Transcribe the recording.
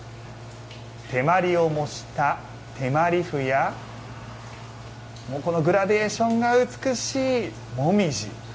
手まりを模した手まり麩やグラデーションが美しい紅葉。